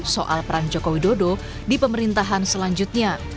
soal peran jokowi dodo di pemerintahan selanjutnya